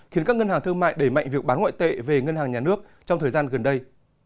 khiến các ngân hàng thương mại đẩy mạnh việc bán ngoại tệ về ngân hàng nhà nước trong thời gian gần đây